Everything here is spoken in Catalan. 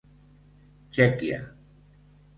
Txèquia.